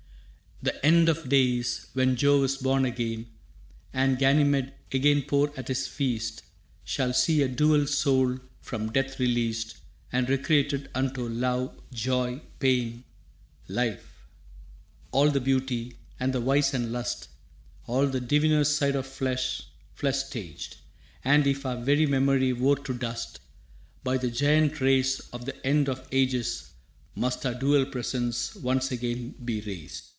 «The end of days, when Jove is born again, And Ganymede again pour at his feast, Shall see our dual soul from death released And recreated unto love, joy, pain, Life all the beauty and the vice and lust, All the diviner side of flesh, flesh staged. And, if our very memory wore to dust, By the giant race of the end of ages must Our dual presence once again be raised.